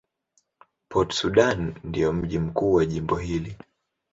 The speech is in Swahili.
Port Sudan ndio mji mkuu wa jimbo hili.